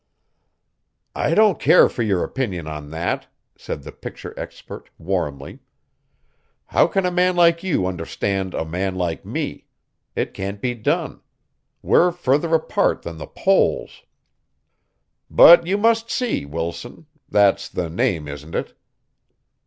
"I don't care for your opinion on that," said the picture expert, warmly. "How can a man like you understand a man like me? It can't be done. We're further apart than the poles." "But you must see, Wilson that's the name, isn't it?"